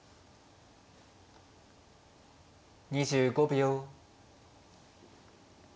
２５秒。